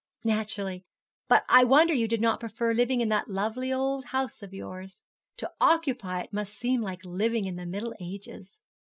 'Naturally. But I wonder you did not prefer living in that lovely old house of yours. To occupy it must seem like living in the Middle Ages.'